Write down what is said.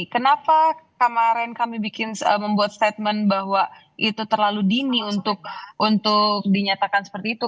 kenapa kemarin kami bikin membuat statement bahwa itu terlalu dini untuk dinyatakan seperti itu